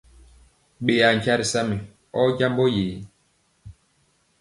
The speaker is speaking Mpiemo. Ɓeya nkya ri sa mɛ ɔ jambɔ ye?